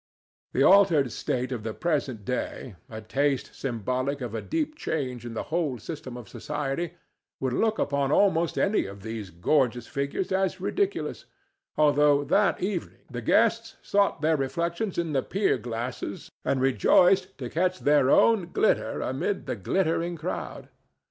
The altered taste of the present day—a taste symbolic of a deep change in the whole system of society—would look upon almost any of those gorgeous figures as ridiculous, although that evening the guests sought their reflections in the pier glasses and rejoiced to catch their own glitter amid the glittering crowd.